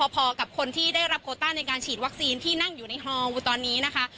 พอกับคนที่ได้รับโคต้าในการฉีดวัคซีนที่นั่งอยู่ในฮอลตอนนี้นะคะ